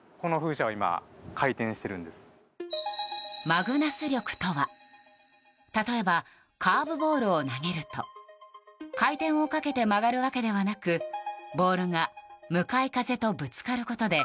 マグナス力とは例えばカーブボールを投げると回転をかけて曲がるわけではなくボールが向かい風とぶつかることで